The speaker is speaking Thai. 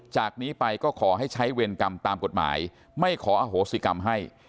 จากนี้ไปก็ขอให้ใช้เวรกรรมตามกฎหมายไม่ขออโหสิกรรมให้